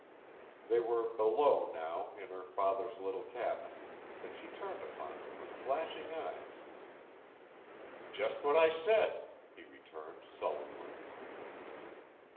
They were below now in her father's little cabin, and she turned upon him with flashing eyes. "Just what I said," he returned sullenly.